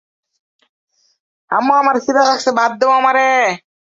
এসময় জুলু সম্প্রদায় ছিল খুবই ক্ষুদ্র।